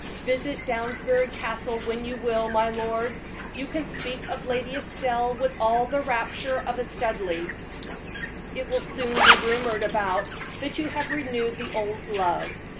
Visit Downsbury Castle when you will, my lord; you can speak of Lady Estelle with all the rapture of a Studleigh. It will soon be rumored about that you have renewed the old love.